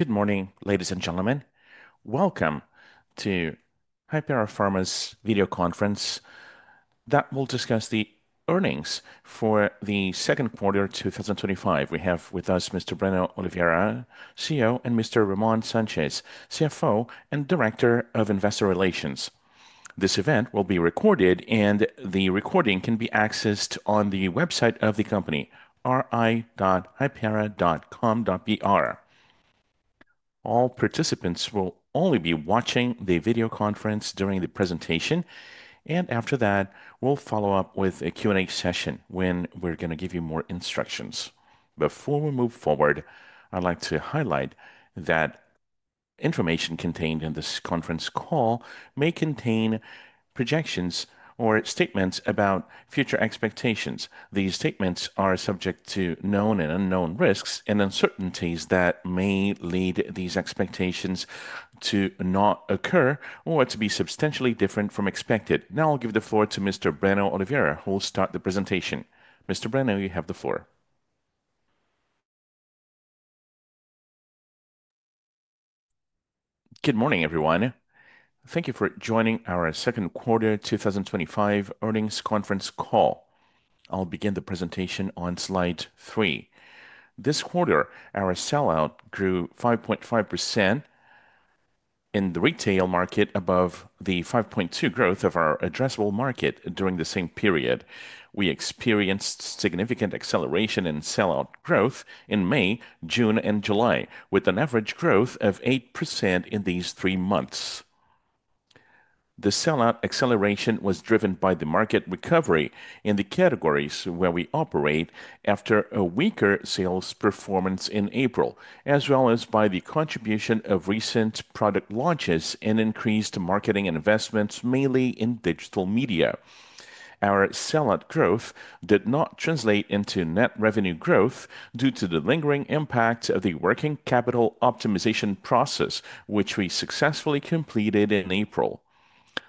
Good morning, ladies and gentlemen. Welcome to Hypera's video conference that will discuss the earnings for the second quarter 2025. We have with us Mr. Breno Oliveira, CEO, and Mr. Ramon Sanches Frutuoso Silva, CFO and Director of Investor Relations. This event will be recorded, and the recording can be accessed on the website of the company, ri.hypera.com.br. All participants will only be watching the video conference during the presentation, and after that, we'll follow up with a Q&A session when we're going to give you more instructions. Before we move forward, I'd like to highlight that information contained in this conference call may contain projections or statements about future expectations. These statements are subject to known and unknown risks and uncertainties that may lead these expectations to not occur or to be substantially different from expected. Now I'll give the floor to Mr. Breno Oliveira, who will start the presentation. Mr. Breno, you have the floor. Good morning, everyone. Thank you for joining our Second Quarter 2025 Earnings Conference Call. I'll begin the presentation on slide three. This quarter, our sell-out grew 5.5% in the retail market, above the 5.2% growth of our addressable market. During the same period, we experienced significant acceleration in sell-out growth in May, June, and July, with an average growth of 8% in these three months. The sell-out acceleration was driven by the market recovery in the categories where we operate, after a weaker sales performance in April, as well as by the contribution of recent product launches and increased marketing investments, mainly in digital media. Our sell-out growth did not translate into net revenue growth due to the lingering impact of the working capital optimization process, which we successfully completed in April.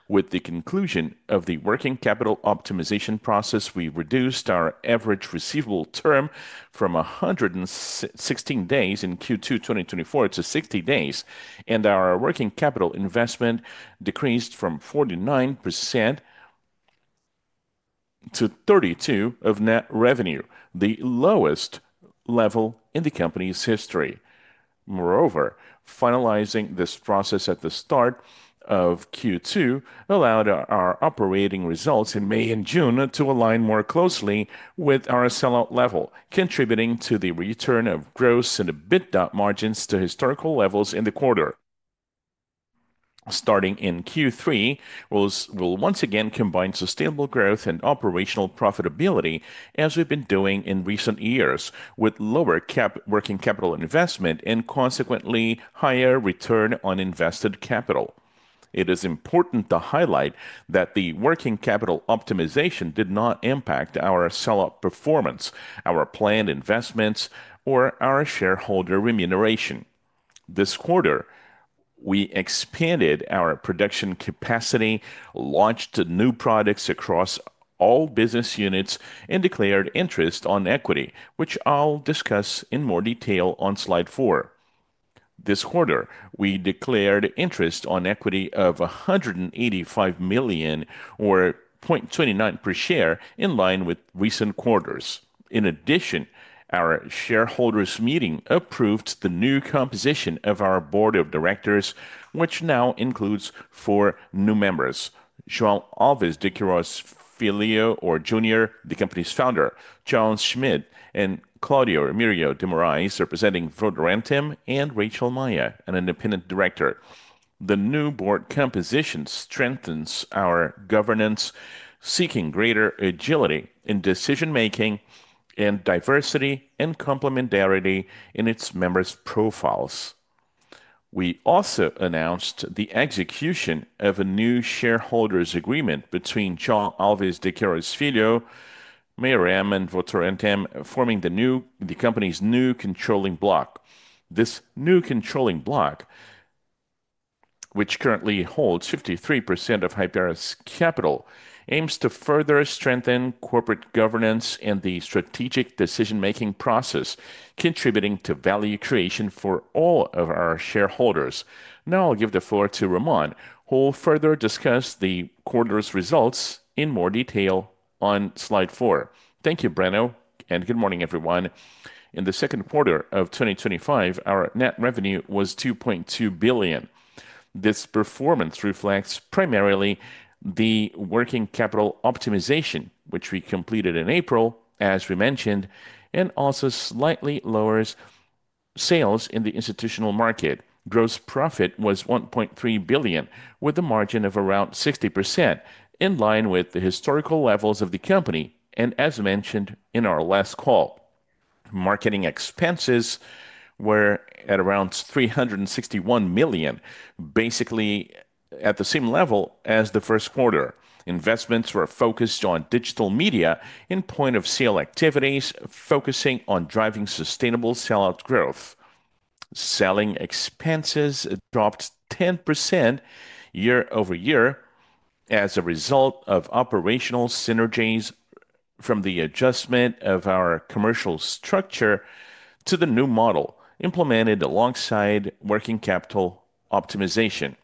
With the conclusion of the working capital optimization process, we reduced our average receivable term from 116 days in Q2 2024 to 60 days, and our working capital investment decreased from 49%-32% of net revenue, the lowest level in the company's history. Moreover, finalizing this process at the start of Q2 allowed our operating results in May and June to align more closely with our sell-out level, contributing to the return of gross and EBITDA margins to historical levels in the quarter. Starting in Q3, we'll once again combine sustainable growth and operational profitability, as we've been doing in recent years, with lower working capital investment and consequently higher return on invested capital. It is important to highlight that the working capital optimization did not impact our sell-out performance, our planned investments, or our shareholder remuneration. This quarter, we expanded our production capacity, launched new products across all business units, and declared interest on equity, which I'll discuss in more detail on slide four. This quarter, we declared interest on equity of R$185 million, or R$0.29 per share, in line with recent quarters. In addition, our shareholders' meeting approved the new composition of our Board of Directors, which now includes four new members: João Alves de Queiroz Filho, or Junior, the company's founder; John Schmidt; Claudio Ermírio de Moraes, representing Votorantim; and Rachel Maia, an independent director. The new board composition strengthens our governance, seeking greater agility in decision-making and diversity and complementarity in its members' profiles. We also announced the execution of a new shareholders' agreement between João Alves de Queiroz Filho, Ermírio M., and Votorantim, forming the company's new controlling block. This new controlling block, which currently holds 53% of Hypera's capital, aims to further strengthen corporate governance and the strategic decision-making process, contributing to value creation for all of our shareholders. Now I'll give the floor to Ramon, who will further discuss the quarter's results in more detail on slide four. Thank you, Breno, and good morning, everyone. In the second quarter of 2025, our net revenue was R$2.2 billion. This performance reflects primarily the working capital optimization, which we completed in April, as we mentioned, and also slightly lower sales in the institutional market. Gross profit was R$1.3 billion, with a margin of around 60%, in line with the historical levels of the company and, as mentioned in our last call. Marketing expenses were at around R$361 million, basically at the same level as the first quarter. Investments were focused on digital media and point-of-sale activities, focusing on driving sustainable sell-out growth. Selling expenses dropped 10% year-over-year as a result of operational synergies from the adjustment of our commercial structure to the new model, implemented alongside working capital optimization.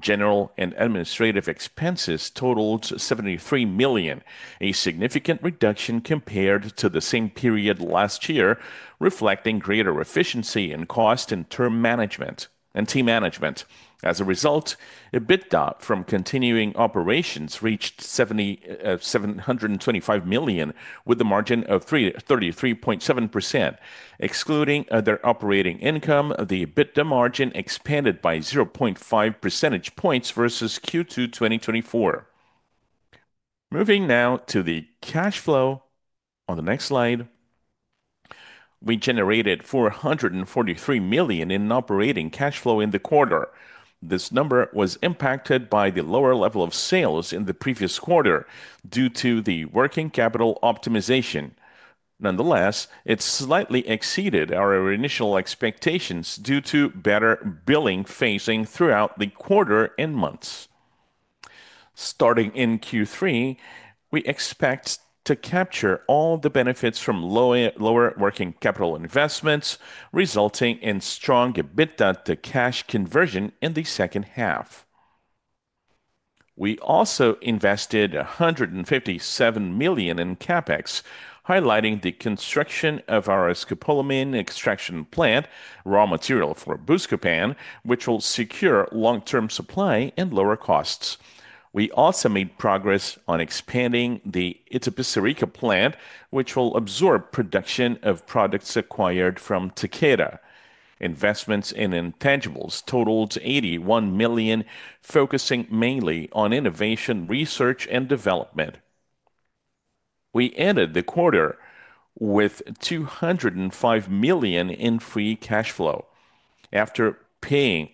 General and administrative expenses totaled $73 million, a significant reduction compared to the same period last year, reflecting greater efficiency in cost and term management and team management. As a result, EBITDA from continuing operations reached $725 million, with a margin of 33.7%. Excluding other operating income, the EBITDA margin expanded by 0.5% versus Q2 2024. Moving now to the cash flow on the next slide, we generated $443 million in operating cash flow in the quarter. This number was impacted by the lower level of sales in the previous quarter due to the working capital optimization. Nonetheless, it slightly exceeded our initial expectations due to better billing phasing throughout the quarter and months. Starting in Q3, we expect to capture all the benefits from lower working capital investments, resulting in strong EBITDA to cash conversion in the second half. We also invested $157 million in CapEx, highlighting the construction of our scopolamine extraction plant, raw material for Buscopan, which will secure long-term supply and lower costs. We also made progress on expanding the Itapecerica plant, which will absorb production of products acquired from Takeda. Investments in intangibles totaled $81 million, focusing mainly on innovation, research, and development. We ended the quarter with $205 million in free cash flow. After paying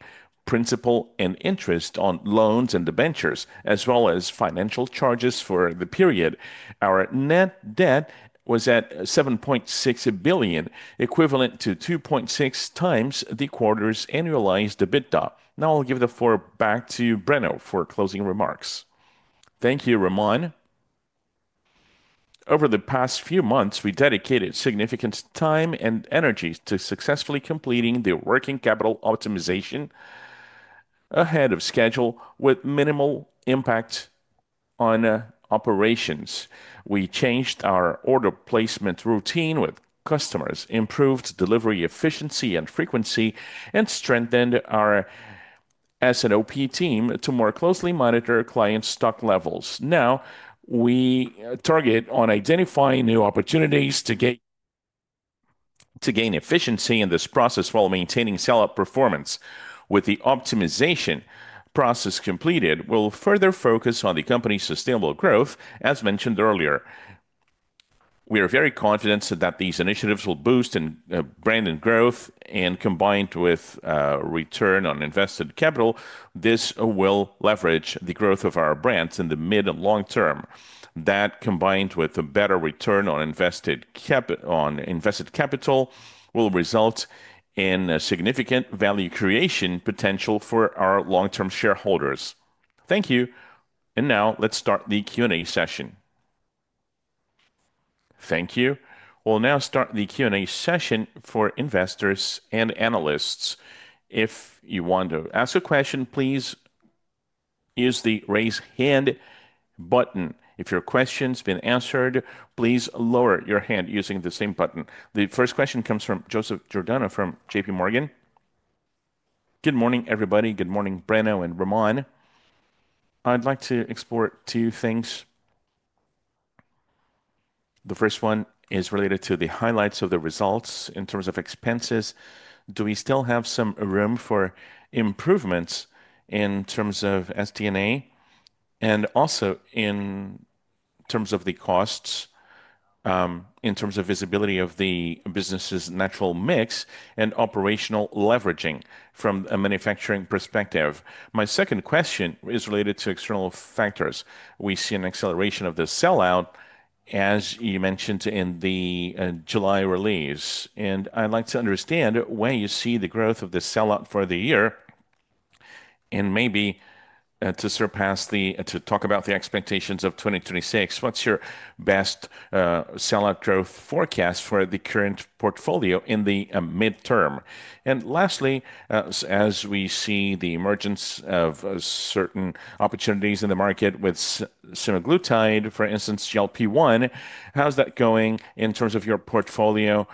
principal and interest on loans and debentures, as well as financial charges for the period, our net debt was at $7.6 billion, equivalent to 2.6x the quarter's annualized EBITDA. Now I'll give the floor back to Breno for closing remarks. Thank you, Ramon. Over the past few months, we dedicated significant time and energy to successfully completing the working capital optimization ahead of schedule, with minimal impact on operations. We changed our order placement routine with customers, improved delivery efficiency and frequency, and strengthened our S&OP team to more closely monitor client stock levels. Now we target on identifying new opportunities to gain efficiency in this process while maintaining sell-out performance. With the optimization process completed, we'll further focus on the company's sustainable growth, as mentioned earlier. We are very confident that these initiatives will boost brand growth, and combined with a return on invested capital, this will leverage the growth of our brands in the mid and long term. That, combined with a better return on invested capital, will result in significant value creation potential for our long-term shareholders. Thank you, and now let's start the Q&A session. Thank you. We'll now start the Q&A session for investors and analysts. If you want to ask a question, please use the raise hand button. If your question's been answered, please lower your hand using the same button. The first question comes from Joseph Giordano from JPMorgan. Good morning, everybody. Good morning, Breno and Ramon. I'd like to explore two things. The first one is related to the highlights of the results in terms of expenses. Do we still have some room for improvements in terms of SG&A and also in terms of the costs, in terms of visibility of the business's natural mix and operational leveraging from a manufacturing perspective? My second question is related to external factors. We see an acceleration of the sell-out, as you mentioned in the July release, and I'd like to understand where you see the growth of the sell-out for the year and maybe to surpass the, to talk about the expectations of 2026. What's your best sell-out growth forecast for the current portfolio in the midterm? Lastly, as we see the emergence of certain opportunities in the market with semaglutide, for instance, GLP-1, how's that going in terms of your portfolio?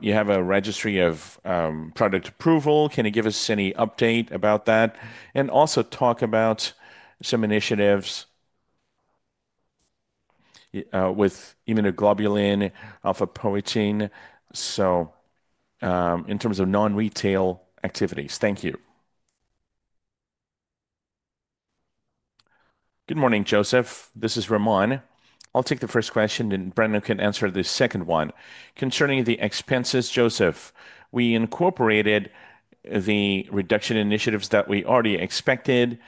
You have a registry of product approval. Can you give us any update about that? Also talk about some initiatives with immunoglobulin, alpha protein, in terms of non-retail activities. Thank you. Good morning, Joseph. This is Ramon. I'll take the first question, and Breno can answer the second one. Concerning the expenses, Joseph, we incorporated the reduction initiatives that we already expected,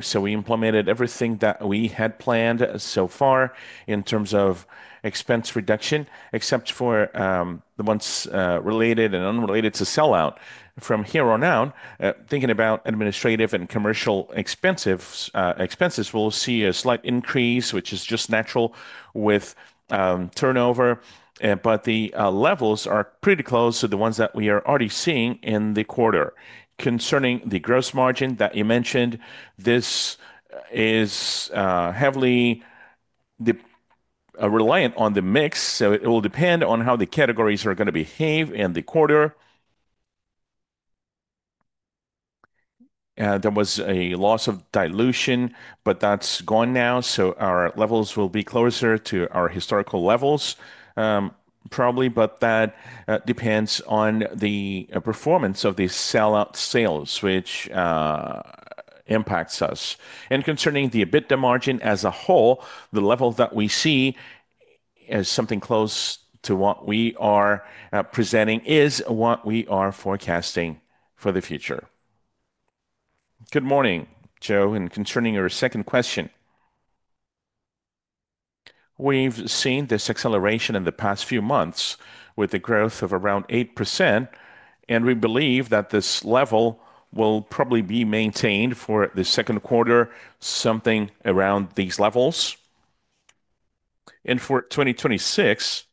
so we implemented everything that we had planned so far in terms of expense reduction, except for the ones related and unrelated to sell-out. From here on out, thinking about administrative and commercial expenses, we'll see a slight increase, which is just natural with turnover, but the levels are pretty close to the ones that we are already seeing in the quarter. Concerning the gross margin that you mentioned, this is heavily reliant on the mix, so it will depend on how the categories are going to behave in the quarter. There was a loss of dilution, but that's gone now, so our levels will be closer to our historical levels, probably, but that depends on the performance of the sell-out sales, which impacts us. Concerning the EBITDA margin as a whole, the level that we see is something close to what we are presenting, is what we are forecasting for the future. Good morning, Joe. Concerning your second question, we've seen this acceleration in the past few months with a growth of around 8%, and we believe that this level will probably be maintained for the second quarter, something around these levels. For 2026,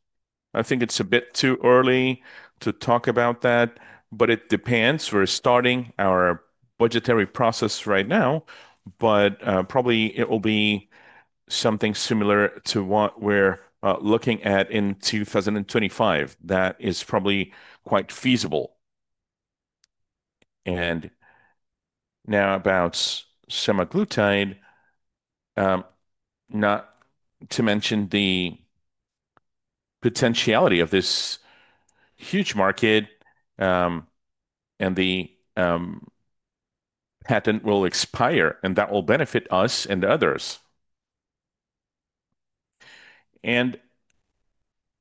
I think it's a bit too early to talk about that, but it depends. We're starting our budgetary process right now, but probably it will be something similar to what we're looking at in 2025. That is probably quite feasible. Now about semaglutide, not to mention the potentiality of this huge market, and the patent will expire, and that will benefit us and others.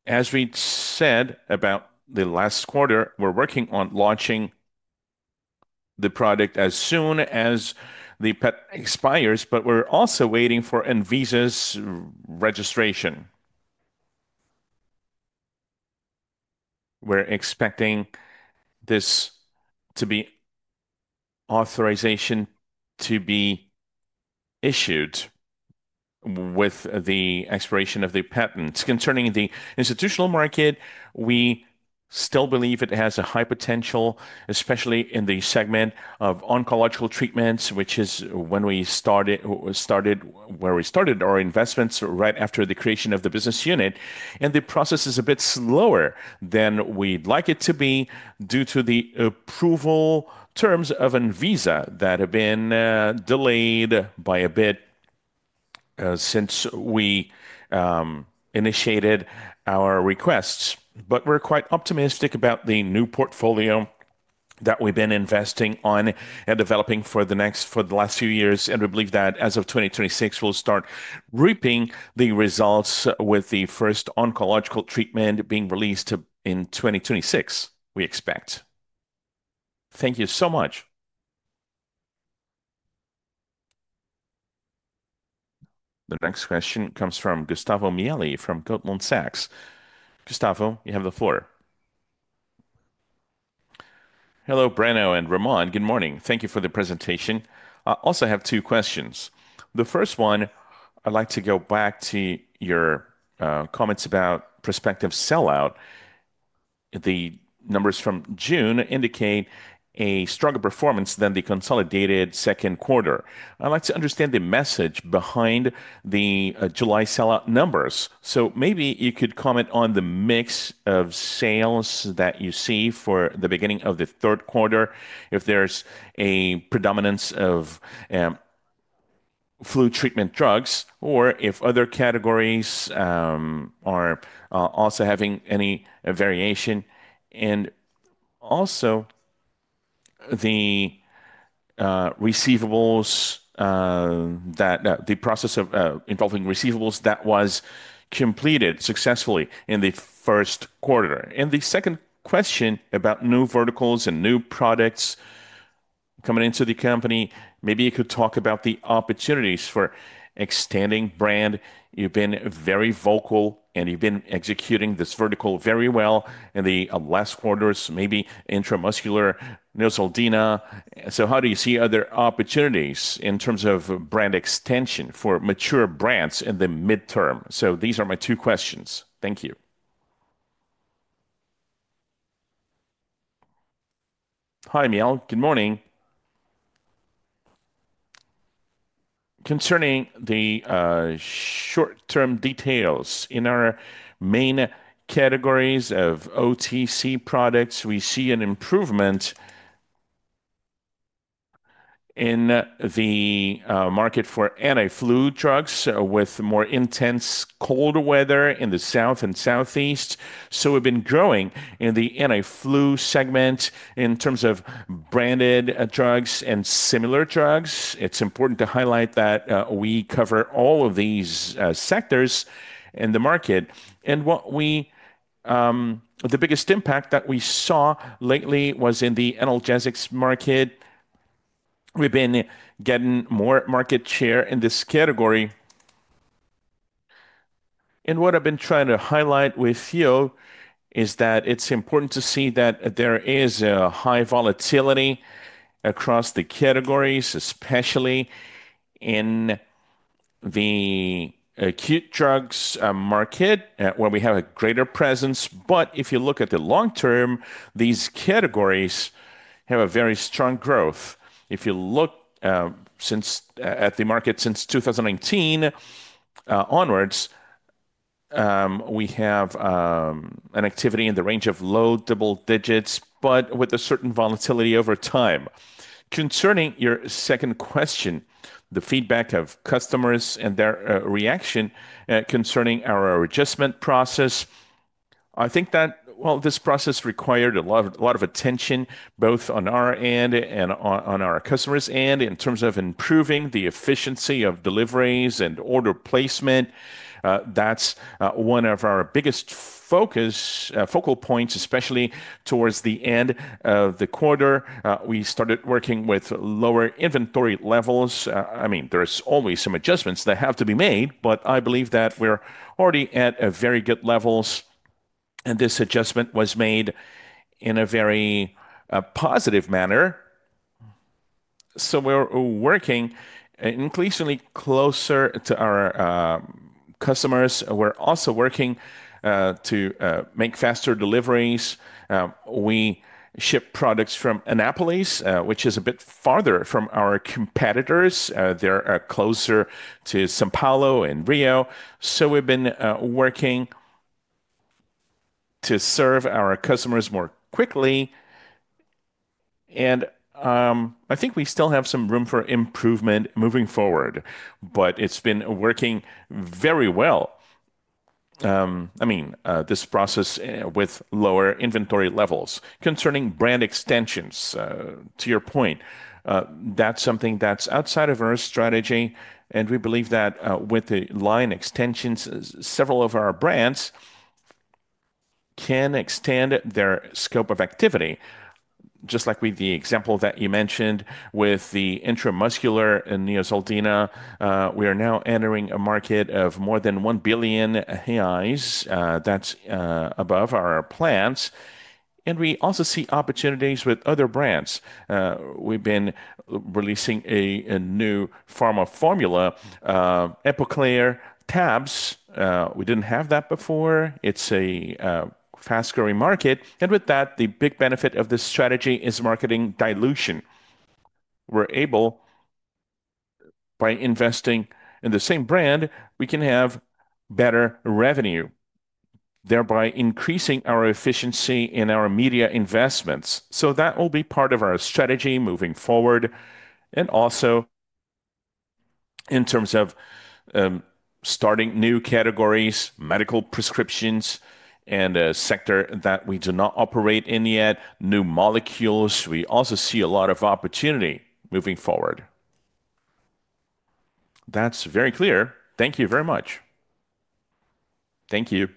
As we said about the last quarter, we're working on launching the product as soon as the patent expires, but we're also waiting for ANVISA's registration. We're expecting this authorization to be issued with the expiration of the patent. Concerning the institutional market, we still believe it has a high potential, especially in the segment of oncological treatments, which is when we started, where we started our investments right after the creation of the business unit. The process is a bit slower than we'd like it to be due to the approval terms of ANVISA that have been delayed by a bit since we initiated our requests. We're quite optimistic about the new portfolio that we've been investing on and developing for the last few years, and we believe that as of 2026, we'll start reaping the results with the first oncological treatment being released in 2026, we expect. Thank you so much. The next question comes from Gustavo Miele from Goldman Sachs. Gustavo, you have the floor. Hello, Breno and Ramon. Good morning. Thank you for the presentation. I also have two questions. The first one, I'd like to go back to your comments about prospective sell-out. The numbers from June indicate a stronger performance than the consolidated second quarter. I'd like to understand the message behind the July sell-out numbers. Maybe you could comment on the mix of sales that you see for the beginning of the third quarter, if there's a predominance of flu treatment drugs, or if other categories are also having any variation, and also the receivables, the process involving receivables that was completed successfully in the first quarter. The second question about new verticals and new products coming into the company, maybe you could talk about the opportunities for extending brand. You've been very vocal, and you've been executing this vertical very well in the last quarters, maybe intramuscular Neosaldina. How do you see other opportunities in terms of brand extension for mature brands in the midterm? These are my two questions. Thank you. Hi, Miele. Good morning. Concerning the short-term details, in our main categories of OTC products, we see an improvement in the market for anti-flu drugs with more intense cold weather in the south and southeast. We've been growing in the anti-flu segment in terms of branded drugs and similar drugs. It's important to highlight that we cover all of these sectors in the market. The biggest impact that we saw lately was in the analgesics market. We've been getting more market share in this category. What I've been trying to highlight with you is that it's important to see that there is a high volatility across the categories, especially in the acute drugs market where we have a greater presence. If you look at the long term, these categories have a very strong growth. If you look at the market since 2019 onwards, we have an activity in the range of low double-digits, but with a certain volatility over time. Concerning your second question, the feedback of customers and their reaction concerning our adjustment process, I think that this process required a lot of attention, both on our end and on our customers' end, in terms of improving the efficiency of deliveries and order placement. That's one of our biggest focal points, especially towards the end of the quarter. We started working with lower inventory levels. There's always some adjustments that have to be made, but I believe that we're already at very good levels, and this adjustment was made in a very positive manner. We're working increasingly closer to our customers. We're also working to make faster deliveries. We ship products from Anápolis, which is a bit farther from our competitors. They're closer to São Paulo and Rio. We have been working to serve our customers more quickly, and I think we still have some room for improvement moving forward, but it has been working very well. I mean, this process with lower inventory levels. Concerning brand extensions, to your point, that is something that is outside of our strategy, and we believe that with the line extensions, several of our brands can extend their scope of activity, just like with the example that you mentioned with the intramuscular Neosaldina. We are now entering a market of more than 1 billion reais AIs. That is above our plans. We also see opportunities with other brands. We have been releasing a new pharma formula, Epocler Tabs. We did not have that before. It is a fast-growing market. The big benefit of this strategy is marketing dilution. By investing in the same brand, we can have better revenue, thereby increasing our efficiency in our media investments. That will be part of our strategy moving forward. Also, in terms of starting new categories, medical prescriptions, and a sector that we do not operate in yet, new molecules, we also see a lot of opportunity moving forward. That is very clear. Thank you very much. Thank you.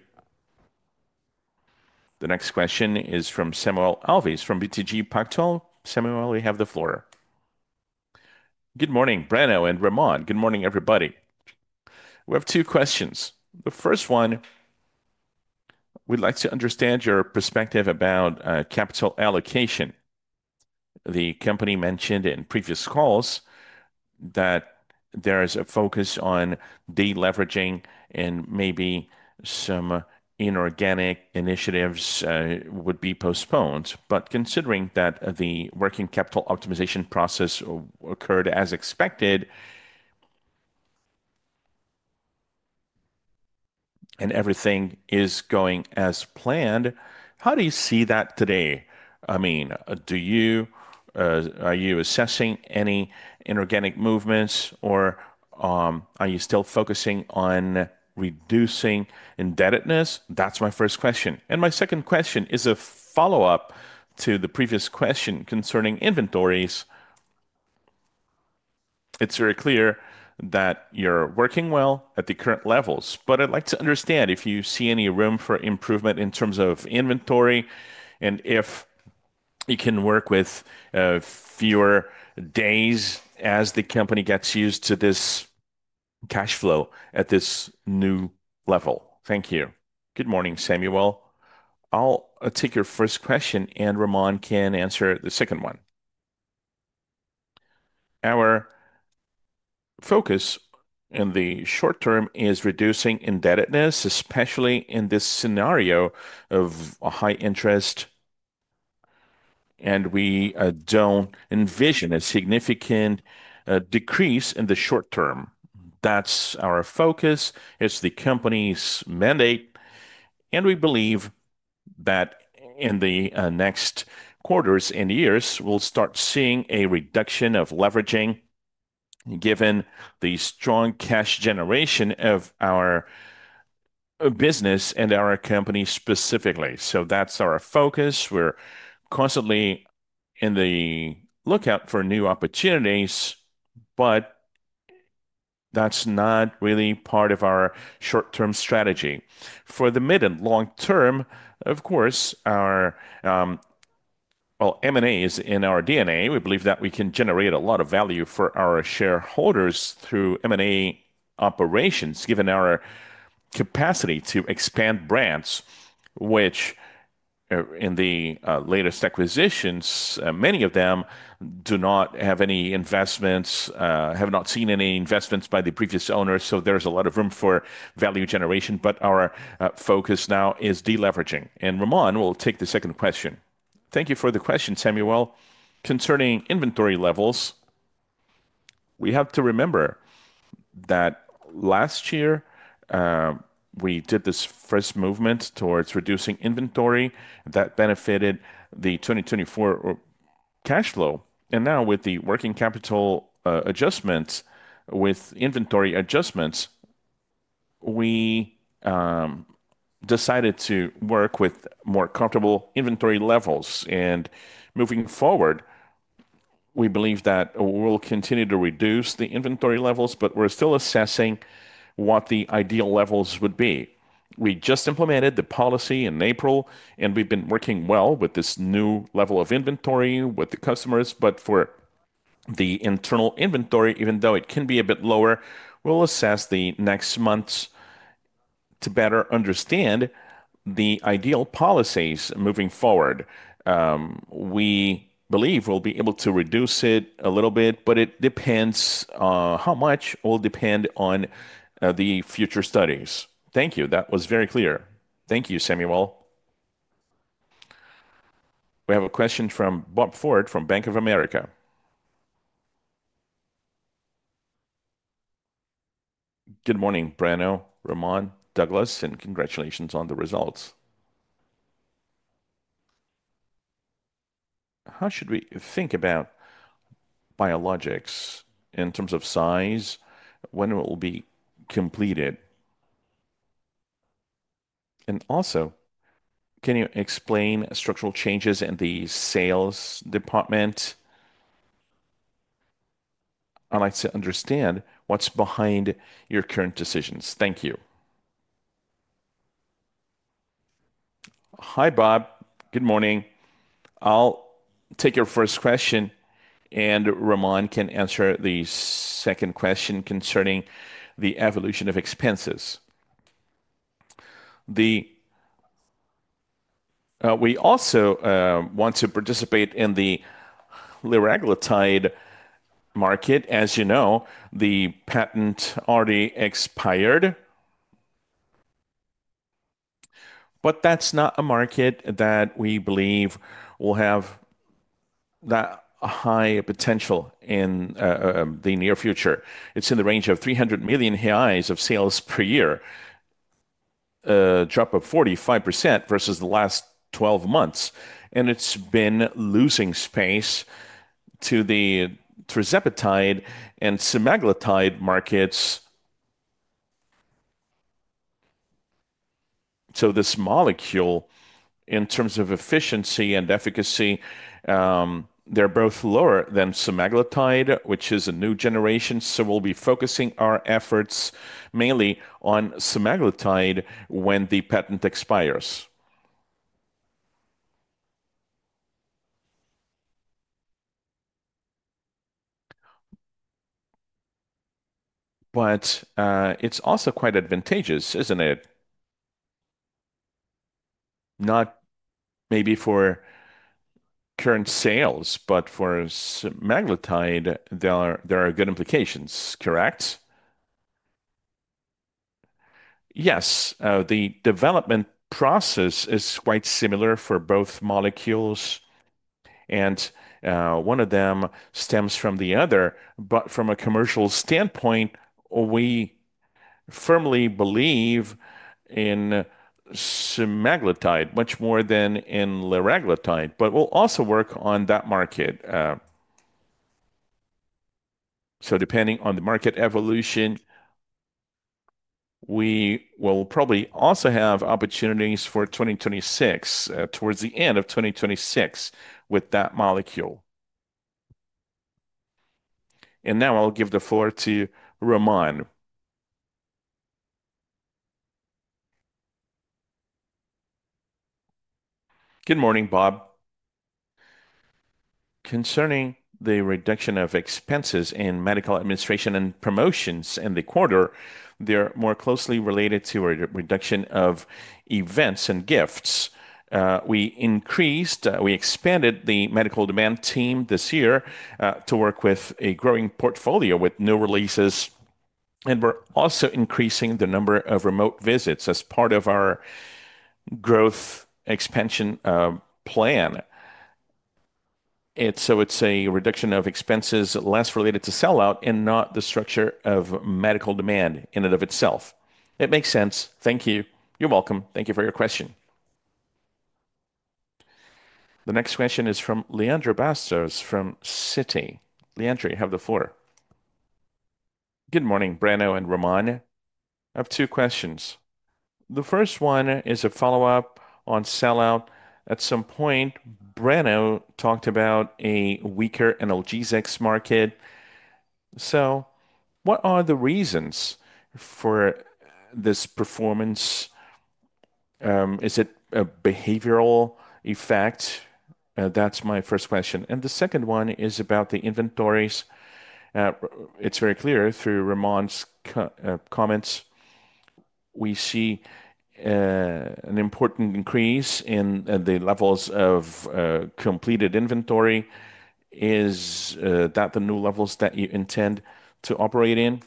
The next question is from Samuel Alves from BTG Pactual. Samuel, you have the floor. Good morning, Breno and Ramon. Good morning, everybody. We have two questions. The first one, we would like to understand your perspective about capital allocation. The company mentioned in previous calls that there is a focus on deleveraging, and maybe some inorganic initiatives would be postponed. Considering that the working capital optimization process occurred as expected, and everything is going as planned, how do you see that today? I mean, are you assessing any inorganic movements, or are you still focusing on reducing indebtedness? That is my first question. My second question is a follow-up to the previous question concerning inventories. It is very clear that you are working well at the current levels, but I would like to understand if you see any room for improvement in terms of inventory, and if you can work with fewer days as the company gets used to this cash flow at this new level. Thank you. Good morning, Samuel. I will take your first question, and Ramon can answer the second one. Our focus in the short term is reducing indebtedness, especially in this scenario of high interest, and we do not envision a significant decrease in the short-term. That is our focus. It's the company's mandate, and we believe that in the next quarters and years, we'll start seeing a reduction of leveraging given the strong cash generation of our business and our company specifically. That's our focus. We're constantly on the lookout for new opportunities, but that's not really part of our short-term strategy. For the mid and long term, of course, our M&A is in our DNA. We believe that we can generate a lot of value for our shareholders through M&A operations, given our capacity to expand brands, which in the latest acquisitions, many of them do not have any investments, have not seen any investments by the previous owners. There's a lot of room for value generation, but our focus now is deleveraging. Ramon will take the second question. Thank you for the question, Samuel. Concerning inventory levels, we have to remember that last year, we did this first movement towards reducing inventory that benefited the 2024 cash flow. Now, with the working capital adjustments, with inventory adjustments, we decided to work with more comfortable inventory levels. Moving forward, we believe that we'll continue to reduce the inventory levels, but we're still assessing what the ideal levels would be. We just implemented the policy in April, and we've been working well with this new level of inventory with the customers. For the internal inventory, even though it can be a bit lower, we'll assess the next months to better understand the ideal policies moving forward. We believe we'll be able to reduce it a little bit, but it depends on how much. It will depend on the future studies. Thank you. That was very clear. Thank you, Samuel. We have a question from Robert Ford from Bank of America. Good morning, Breno, Ramon, Douglas, and congratulations on the results. How should we think about biologics in terms of size when it will be completed? Also, can you explain structural changes in the sales department? I'd like to understand what's behind your current decisions. Thank you. Hi, Robert. Good morning. I'll take your first question, and Ramon can answer the second question concerning the evolution of expenses. We also want to participate in the liraglutide market. As you know, the patent already expired, but that's not a market that we believe will have that high potential in the near future. It's in the range of $300 million of sales per year, a drop of 45% versus the last 12 months. It's been losing space to the tirzepatide and semaglutide markets. This molecule, in terms of efficiency and efficacy, is lower than semaglutide, which is a new generation. We'll be focusing our efforts mainly on semaglutide when the patent expires. It's also quite advantageous, isn't it? Not maybe for current sales, but for semaglutide, there are good implications, correct? Yes. The development process is quite similar for both molecules, and one of them stems from the other. From a commercial standpoint, we firmly believe in semaglutide much more than in liraglutide, but we'll also work on that market. Depending on the market evolution, we will probably also have opportunities for 2026, towards the end of 2026, with that molecule. Now I'll give the floor to Ramon. Good morning, Bob. Concerning the reduction of expenses in medical administration and promotions in the quarter, they're more closely related to a reduction of events and gifts. We increased, we expanded the medical demand team this year to work with a growing portfolio with new releases, and we're also increasing the number of remote visits as part of our growth expansion plan. It's a reduction of expenses less related to sell-out and not the structure of medical demand in and of itself. It makes sense. Thank you. You're welcome. Thank you for your question. The next question is from Leandro Bastos from Citi. Leandro, you have the floor. Good morning, Breno and Ramon. I have two questions. The first one is a follow-up on sell-out. At some point, Breno talked about a weaker analgesics market. What are the reasons for this performance? Is it a behavioral effect? That's my first question. The second one is about the inventories. It's very clear through Ramon's comments. We see an important increase in the levels of completed inventory. Is that the new levels that you intend to operate in?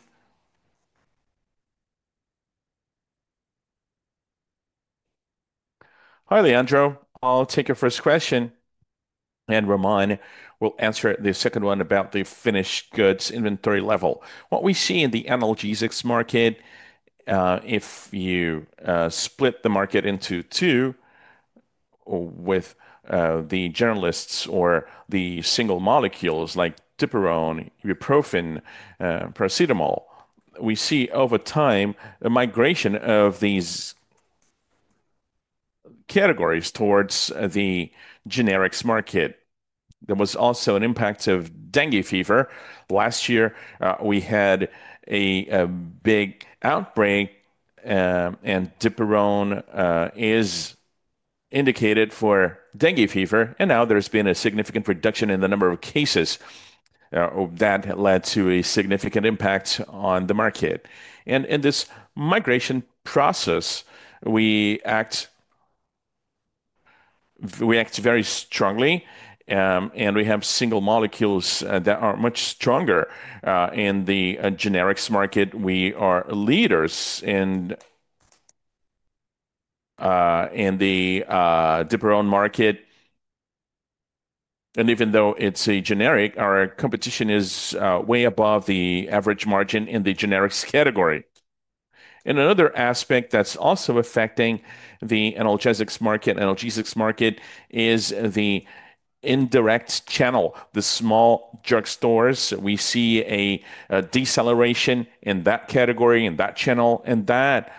Hi, Leandro. I'll take your first question, and Ramon will answer the second one about the finished goods inventory level. What we see in the analgesics market, if you split the market into two with the generalists or the single molecules like dipyrone, ibuprofen, paracetamol, we see over time the migration of these categories towards the generics market. There was also an impact of dengue fever. Last year, we had a big outbreak, and dipyrone is indicated for dengue fever, and now there's been a significant reduction in the number of cases that led to a significant impact on the market. In this migration process, we act very strongly, and we have single molecules that are much stronger in the generics market. We are leaders in the dipyrone market. Even though it's a generic, our competition is way above the average margin in the generics category. Another aspect that's also affecting the analgesics market is the indirect channel, the small drug stores. We see a deceleration in that category, in that channel, and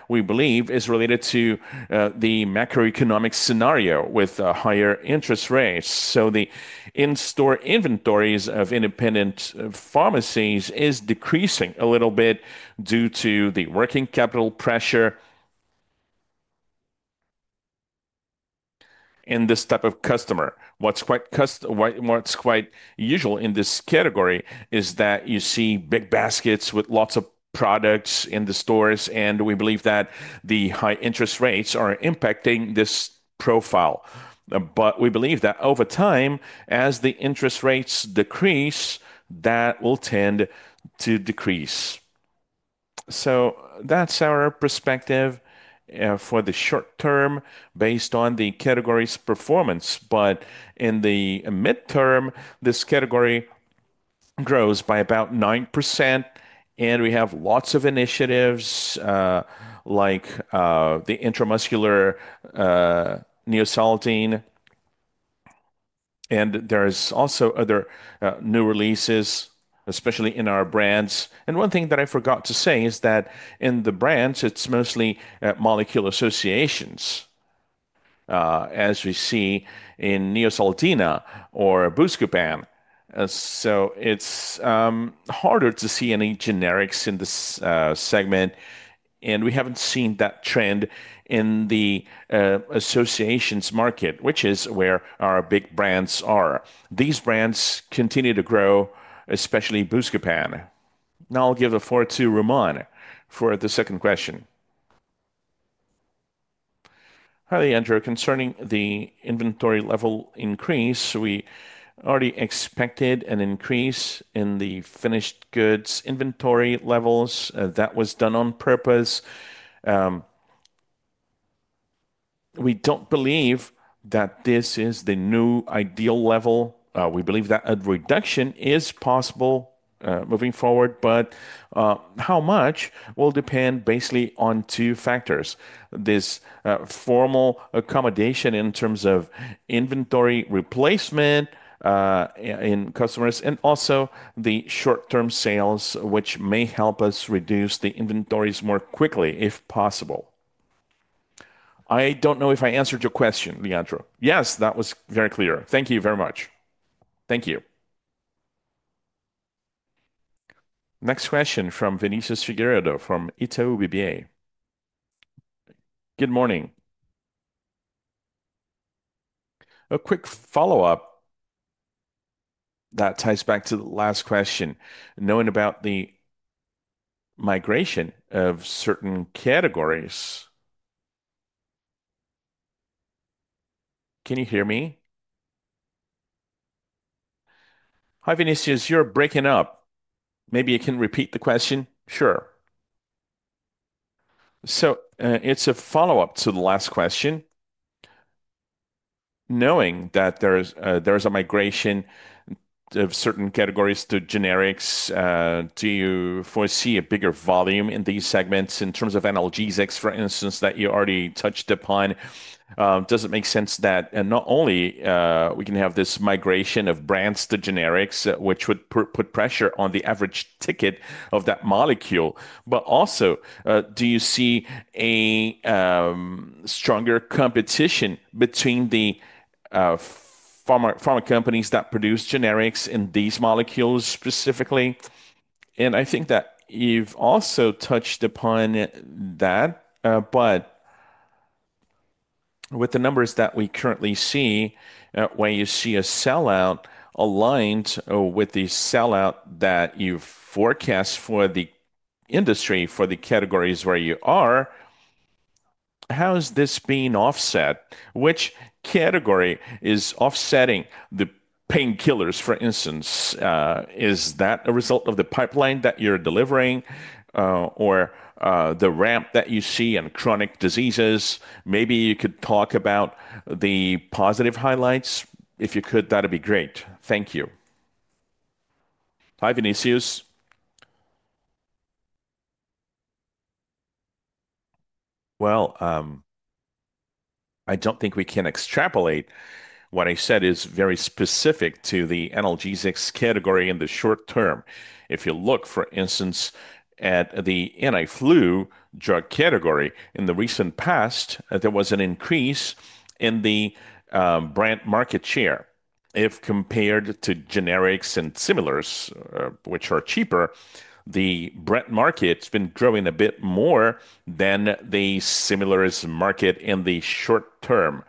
we believe that is related to the macroeconomic scenario with higher interest rates. The in-store inventories of independent pharmacies are decreasing a little bit due to the working capital pressure in this type of customer. What's quite usual in this category is that you see big baskets with lots of products in the stores, and we believe that the high interest rates are impacting this profile. We believe that over time, as the interest rates decrease, that will tend to decrease. That's our perspective for the short term based on the category's performance. In the midterm, this category grows by about 9%, and we have lots of initiatives like the intramuscular Neosaldina. There are also other new releases, especially in our brands. One thing that I forgot to say is that in the brands, it's mostly molecule associations, as we see in Neosaldina or Buscopan. It's harder to see any generics in this segment, and we haven't seen that trend in the associations market, which is where our big brands are. These brands continue to grow, especially Buscopan. Now I'll give the floor to Ramon for the second question Hi, Leandro. Concerning the inventory level increase, we already expected an increase in the finished goods inventory levels. That was done on purpose. We don't believe that this is the new ideal level. We believe that a reduction is possible moving forward, but how much will depend basically on two factors: this formal accommodation in terms of inventory replacement in customers, and also the short-term sales, which may help us reduce the inventories more quickly if possible. I don't know if I answered your question, Leandro. Yes, that was very clear. Thank you very much. Thank you. Next question from Vinícius Figueiredo from Itaú BBA. Good morning. A quick follow-up that ties back to the last question. Knowing about the migration of certain categories. Can you hear me? Hi, Vinícius. You're breaking up. Maybe you can repeat the question? Sure. It's a follow-up to the last question. Knowing that there's a migration of certain categories to generics, do you foresee a bigger volume in these segments in terms of analgesics, for instance, that you already touched upon? Does it make sense that not only we can have this migration of brands to generics, which would put pressure on the average ticket of that molecule, but also do you see a stronger competition between the pharma companies that produce generics and these molecules specifically? I think that you've also touched upon that, but with the numbers that we currently see, when you see a sell-out aligned with the sell-out that you've forecast for the industry, for the categories where you are, how's this being offset? Which category is offsetting the painkillers, for instance? Is that a result of the pipeline that you're delivering or the ramp that you see in chronic diseases? Maybe you could talk about the positive highlights. If you could, that'd be great. Thank you. Hi, Vinícius. I don't think we can extrapolate. What I said is very specific to the analgesics category in the short term. If you look, for instance, at the anti-flu drug category, in the recent past, there was an increase in the brand market share. If compared to generics and similars, which are cheaper, the brand market's been growing a bit more than the similar market in the short term.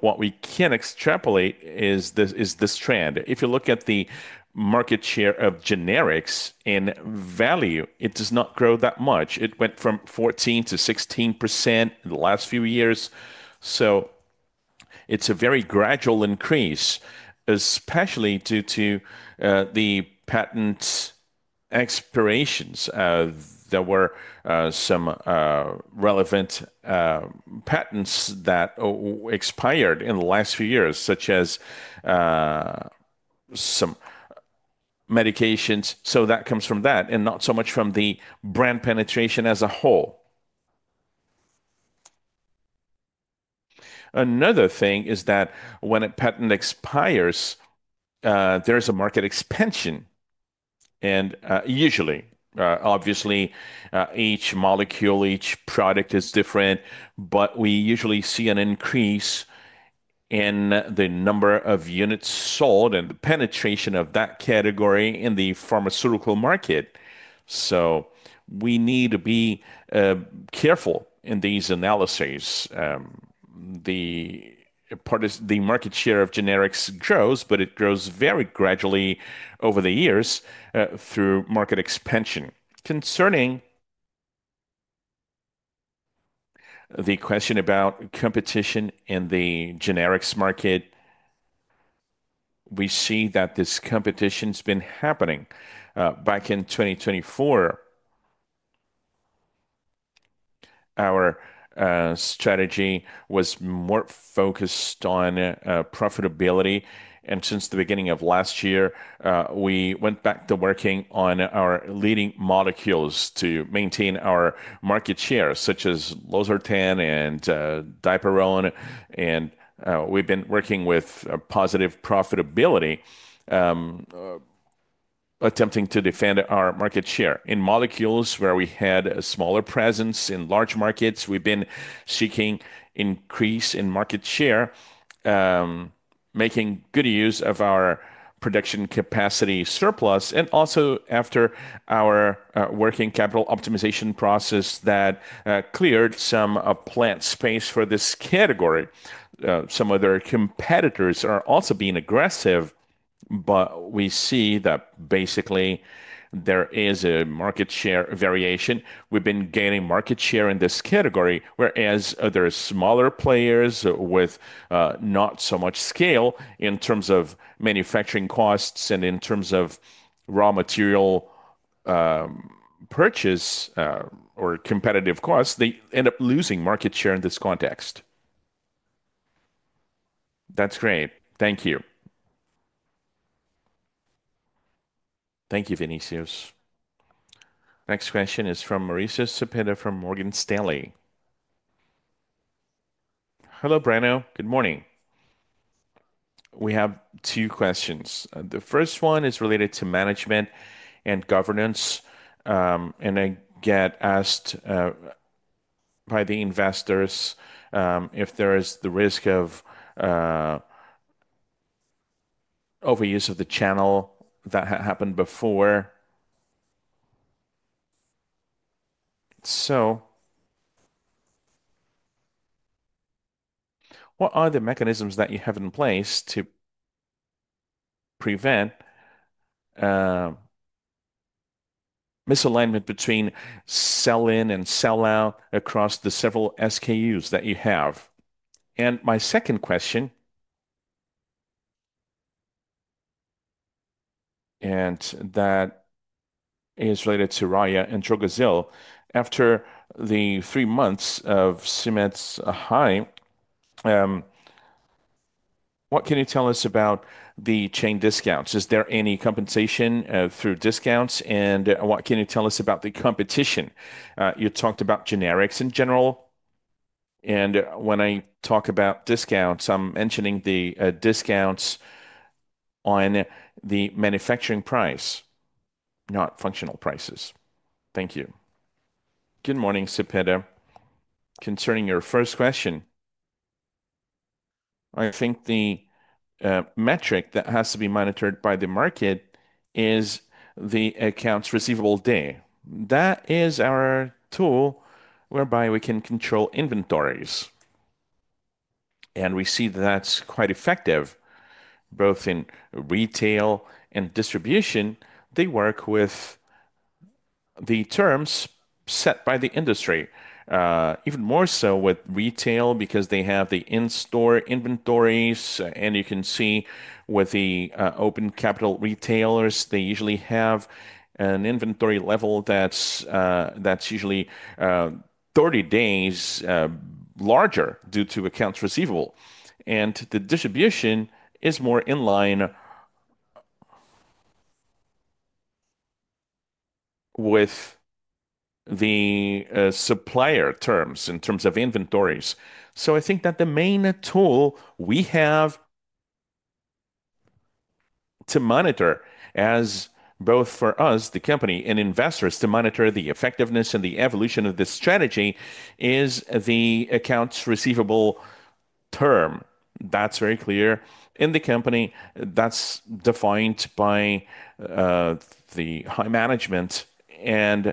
What we can't extrapolate is this trend. If you look at the market share of generics in value, it does not grow that much. It went from 14%-16% in the last few years. It's a very gradual increase, especially due to the patent expirations. There were some relevant patents that expired in the last few years, such as some medications. That comes from that and not so much from the brand penetration as a whole. Another thing is that when a patent expires, there's a market expansion. Usually, obviously, each molecule, each product is different, but we usually see an increase in the number of units sold and the penetration of that category in the pharmaceutical market. We need to be careful in these analyses. The market share of generics grows, but it grows very gradually over the years through market expansion. Concerning the question about competition in the generics market, we see that this competition's been happening. Back in 2024, our strategy was more focused on profitability. Since the beginning of last year, we went back to working on our leading molecules to maintain our market share, such as losartan and dipyrone. We've been working with positive profitability, attempting to defend our market share. In molecules where we had a smaller presence in large markets, we've been seeking an increase in market share, making good use of our production capacity surplus. Also, after our working capital optimization process that cleared some plant space for this category, some other competitors are also being aggressive, but we see that basically there is a market share variation. We've been gaining market share in this category, whereas other smaller players with not so much scale in terms of manufacturing costs and in terms of raw material purchase or competitive costs, they end up losing market share in this context. That's great. Thank you. Thank you, Vinicius. Next question is from Mauricio Cepeda from Morgan Stanley. Hello, Breno. Good morning. We have two questions. The first one is related to management and governance, and I get asked by the investors if there is the risk of overuse of the channel that happened before. What are the mechanisms that you have in place to prevent misalignment between sell-in and sell-out across the several SKUs that you have? My second question, and that is related to Raya and Trocoxil, after the three months of CMIT's high, what can you tell us about the chain discounts? Is there any compensation through discounts, and what can you tell us about the competition? You talked about generics in general, and when I talk about discounts, I'm mentioning the discounts on the manufacturing price, not functional prices. Thank you. Good morning, Cepeda. Concerning your first question, I think the metric that has to be monitored by the market is the accounts receivable day. That is our tool whereby we can control inventories, and we see that's quite effective, both in retail and distribution. They work with the terms set by the industry, even more so with retail because they have the in-store inventories, and you can see with the open capital retailers, they usually have an inventory level that's usually 30 days larger due to accounts receivable. The distribution is more in line with the supplier terms in terms of inventories. I think that the main tool we have to monitor, as both for us, the company, and investors to monitor the effectiveness and the evolution of this strategy, is the accounts receivable term. That's very clear in the company. That's defined by the high management, and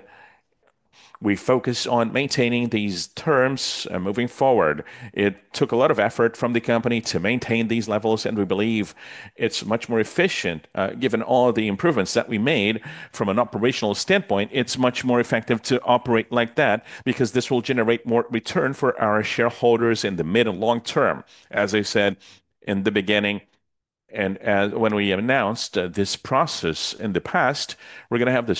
we focus on maintaining these terms moving forward. It took a lot of effort from the company to maintain these levels, and we believe it's much more efficient, given all the improvements that we made from an operational standpoint. It's much more effective to operate like that because this will generate more return for our shareholders in the mid and long-term. As I said in the beginning, and when we announced this process in the past, we're going to have the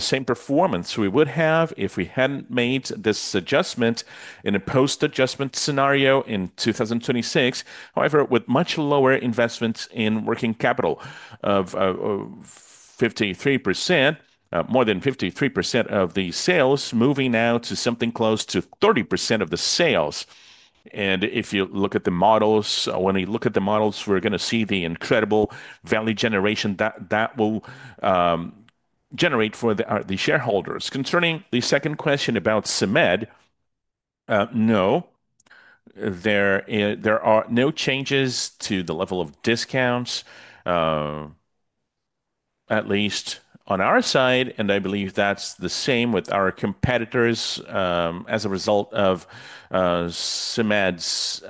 same performance we would have if we hadn't made this adjustment in a post-adjustment scenario in 2026. However, with much lower investments in working capital of 53%, more than 53% of the sales, moving now to something close to 30% of the sales. If you look at the models, when you look at the models, we're going to see the incredible value generation that that will generate for the shareholders. Concerning the second question about CMIT, no, there are no changes to the level of discounts, at least on our side, and I believe that's the same with our competitors as a result of CMIT's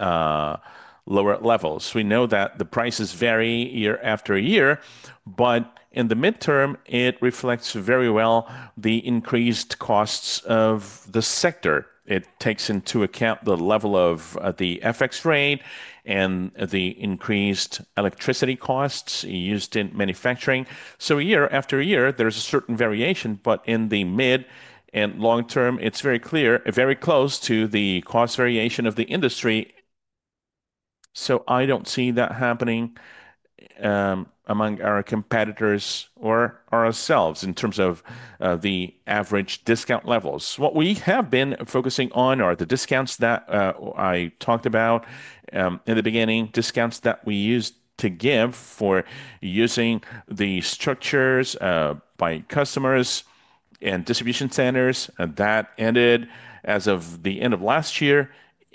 lower levels. We know that the prices vary year after year, but in the midterm, it reflects very well the increased costs of the sector. It takes into account the level of the FX rate and the increased electricity costs used in manufacturing. Year after year, there's a certain variation, but in the mid and long term, it's very clear, very close to the cost variation of the industry. I don't see that happening among our competitors or ourselves in terms of the average discount levels. What we have been focusing on are the discounts that I talked about in the beginning, discounts that we used to give for using the structures by customers and distribution centers that ended as of the end of last year.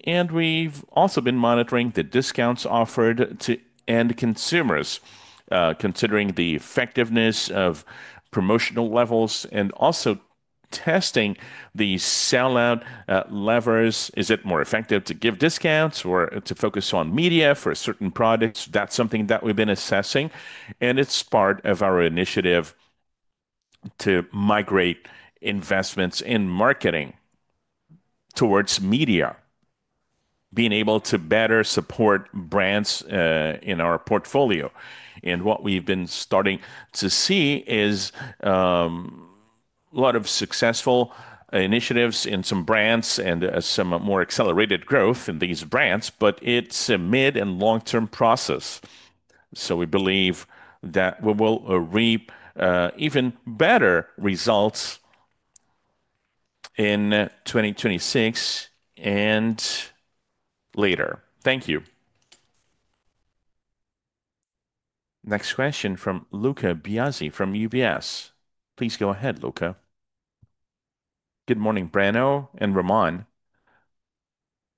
We've also been monitoring the discounts offered to end consumers, considering the effectiveness of promotional levels and also testing the sell-out levers. Is it more effective to give discounts or to focus on media for certain products? That's something that we've been assessing, and it's part of our initiative to migrate investments in marketing towards media, being able to better support brands in our portfolio. What we've been starting to see is a lot of successful initiatives in some brands and some more accelerated growth in these brands, but it's a mid and long-term process. We believe that we will reap even better results in 2026 and later. Thank you. Next question from Lucca Biasi from UBS. Please go ahead, Luca. Good morning, Breno and Ramon.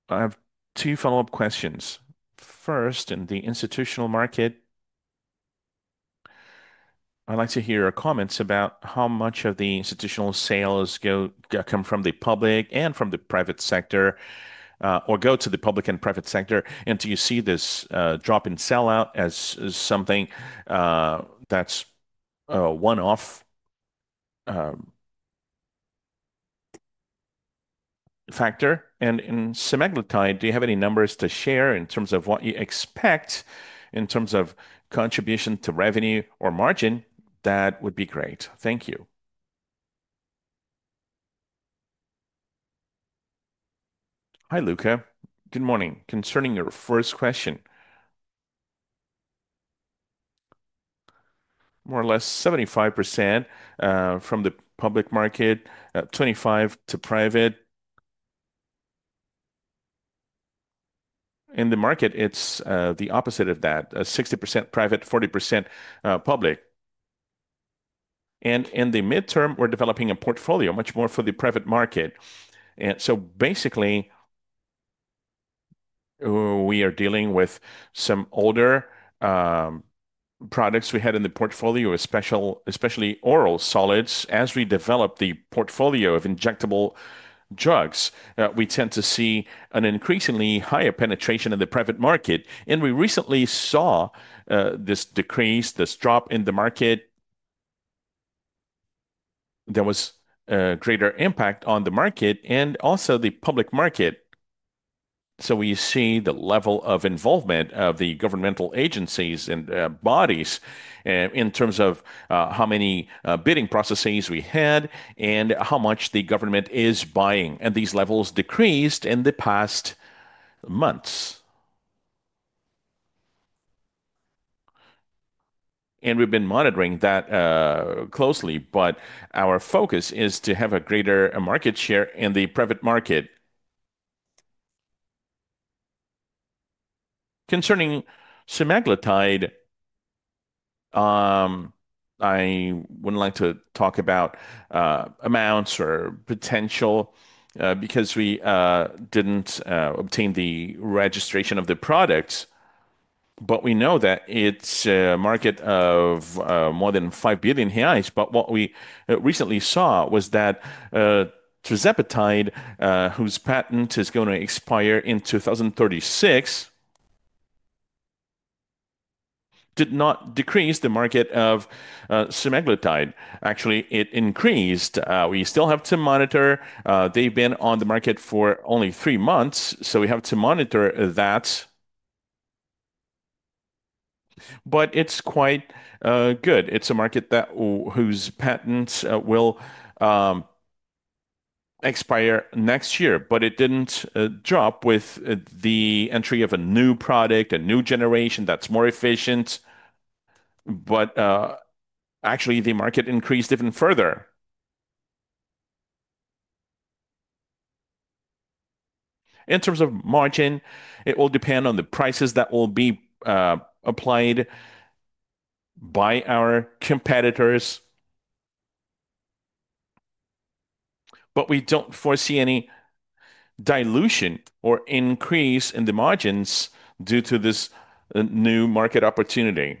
I have two follow-up questions. First, in the institutional market, I'd like to hear your comments about how much of the institutional sales come from the public and from the private sector, or go to the public and private sector, and do you see this drop in sell-out as something that's a one-off factor? In semaglutide, do you have any numbers to share in terms of what you expect in terms of contribution to revenue or margin? That would be great. Thank you. Hi, Luca. Good morning. Concerning your first question, more or less 75% from the public market, 25% to private. In the market, it's the opposite of that, 60% private, 40% public. In the midterm, we're developing a portfolio much more for the private market. Basically, we are dealing with some older products we had in the portfolio, especially oral solids. As we develop the portfolio of injectable drugs, we tend to see an increasingly higher penetration in the private market. We recently saw this decrease, this drop in the market. There was a greater impact on the market and also the public market. We see the level of involvement of the governmental agencies and bodies in terms of how many bidding processes we had and how much the government is buying. These levels decreased in the past months. We've been monitoring that closely, but our focus is to have a greater market share in the private market. Concerning semaglutide, I wouldn't like to talk about amounts or potential because we didn't obtain the registration of the products, but we know that it's a market of more than $5 billion. What we recently saw was that tirzepatide, whose patent is going to expire in 2036, did not decrease the market of semaglutide. Actually, it increased. We still have to monitor. They've been on the market for only three months, so we have to monitor that. It's quite good. It's a market whose patents will expire next year, but it didn't drop with the entry of a new product, a new generation that's more efficient. Actually, the market increased even further. In terms of margin, it will depend on the prices that will be applied by our competitors. We don't foresee any dilution or increase in the margins due to this new market opportunity.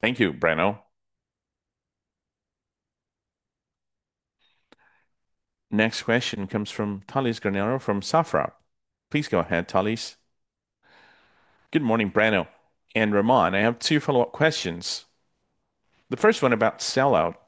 Thank you, Breno. Next question comes from Thales Granero from Safra. Please go ahead, Thales. Good morning, Breno and Ramon. I have two follow-up questions. The first one about sell-out.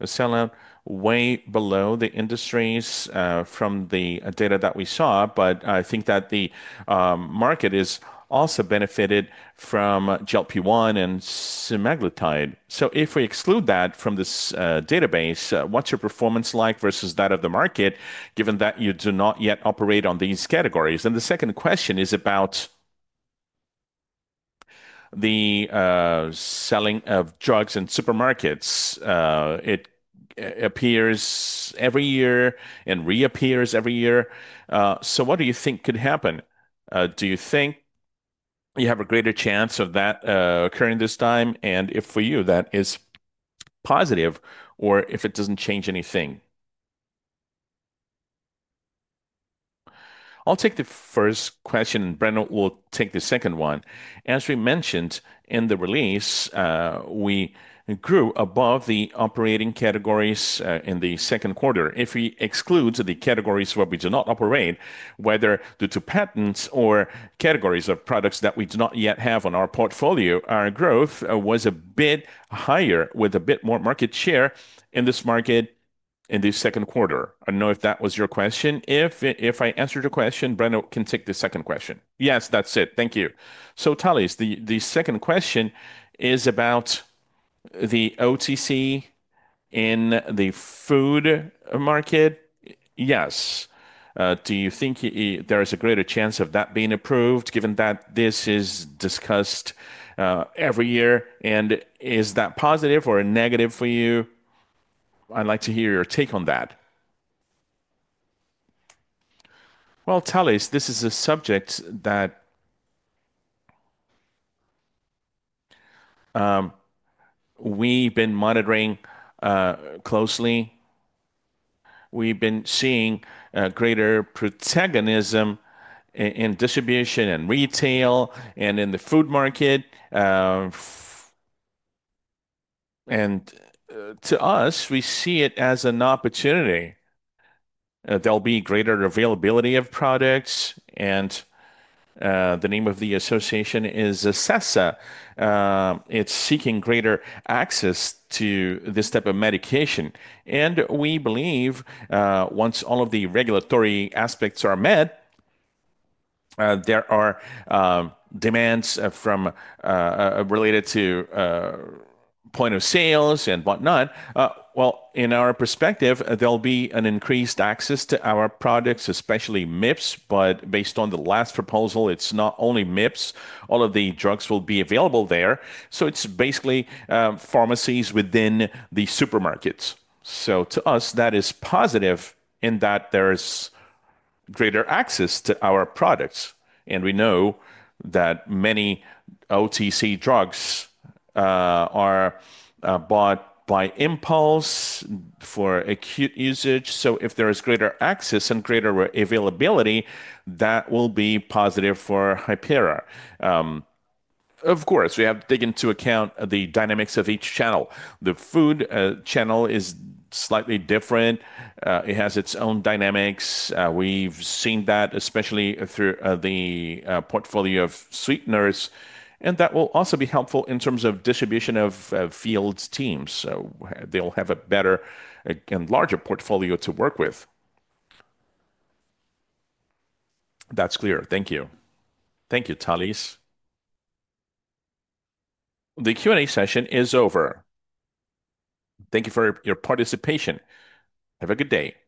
The sell-out way below the industry's from the data that we saw, but I think that the market has also benefited from GLP-1 and semaglutide. If we exclude that from this database, what's your performance like versus that of the market, given that you do not yet operate in these categories? The second question is about the selling of drugs in supermarkets. It appears every year and reappears every year. What do you think could happen? Do you think you have a greater chance of that occurring this time? Is that positive for you, or does it not change anything? I'll take the first question, and Breno will take the second one. As we mentioned in the release, we grew above the operating categories in the second quarter. If we exclude the categories where we do not operate, whether due to patents or categories of products that we do not yet have in our portfolio, our growth was a bit higher with a bit more market share in this market in the second quarter. I don't know if that was your question. If I answered your question, Breno can take the second question. Yes, that's it. Thank you. Thales, the second question is about the OTC in the food market. Do you think there is a greater chance of that being approved, given that this is discussed every year? Is that positive or negative for you? I'd like to hear your take on that. Thales, this is a subject that we've been monitoring closely. We've been seeing greater protagonism in distribution and retail and in the food market. To us, we see it as an opportunity. There will be greater availability of products, and the name of the association is ASESA. It's seeking greater access to this type of medication. We believe once all of the regulatory aspects are met, there are demands related to point of sales and whatnot. In our perspective, there will be increased access to our products, especially MIPS, but based on the last proposal, it's not only MIPS. All of the drugs will be available there. It's basically pharmacies within the supermarkets. To us, that is positive in that there's greater access to our products. We know that many OTC drugs are bought by impulse for acute usage. If there is greater access and greater availability, that will be positive for Hypera. Of course, we have to take into account the dynamics of each channel. The food channel is slightly different.It has its own dynamics. We've seen that, especially through the portfolio of sweeteners. That will also be helpful in terms of distribution of field teams. They'll have a better and larger portfolio to work with. That's clear. Thank you. Thank you, Thales. The Q&A session is over. Thank you for your participation. Have a good day.